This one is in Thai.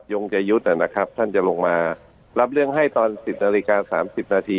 ยงจะยุทธ์นะครับท่านจะลงมารับเรื่องให้ตอน๑๐นาฬิกา๓๐นาที